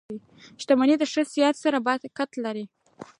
• شتمني د ښه نیت سره برکت لري.